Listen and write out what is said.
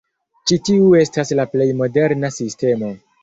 Ĉi tiu estas la plej moderna sistemo.